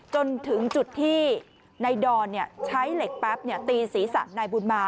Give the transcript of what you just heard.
จนถึงจุดที่นายดอนใช้เหล็กแป๊บตีศีรษะนายบุญมา